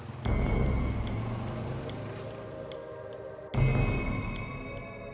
kepada orang tua korban tersangka melaporkan ke polisi